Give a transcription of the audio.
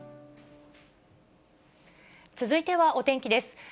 続いてはお天気です。